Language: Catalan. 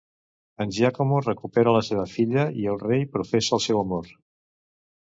En Giacomo recupera la seva filla i el rei professa el seu amor.